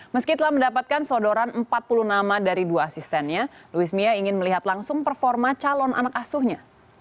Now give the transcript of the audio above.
meski telah mendapatkan sodoran empat puluh nama dari dua asistennya louis mia ingin melihat langsung performa calon anak asuhnya